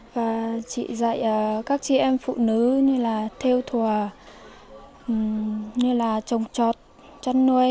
và chị dạy các chị em phụ nữ như là theo thùa như là trồng trọt